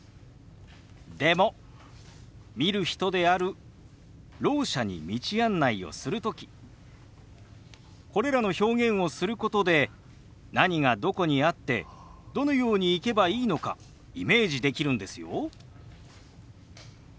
でも見る人であるろう者に道案内をする時これらの表現をすることで何がどこにあってどのように行けばいいのかイメージできるんですよ。